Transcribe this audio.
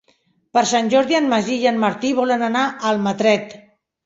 Per Sant Jordi en Magí i en Martí volen anar a Almatret.